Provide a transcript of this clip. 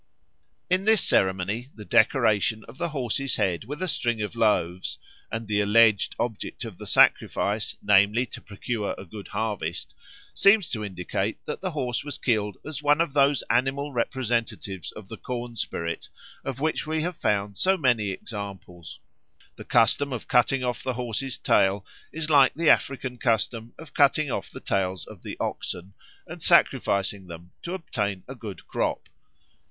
In this ceremony the decoration of the horse's head with a string of loaves, and the alleged object of the sacrifice, namely, to procure a good harvest, seem to indicate that the horse was killed as one of those animal representatives of the corn spirit of which we have found so many examples. The custom of cutting off the horse's tail is like the African custom of cutting off the tails of the oxen and sacrificing them to obtain a good crop.